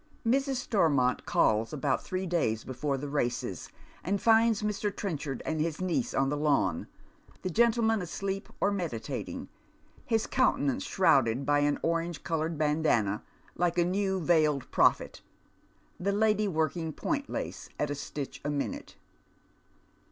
Mrs. Stormont calls about three days before the races, and finds ifr. Trenchard and his niece on the lawn, the gentleman asleep or meditating, his countenance shrouded by an orange coloured bandanna, like a new veiled prophet, the lady working point lace at a stitch a minute.